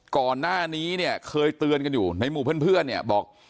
ก่อนหน้านี้เนี่ยเคยเตือนกันอยู่ในหมู่เพื่อนเนี่ยบอก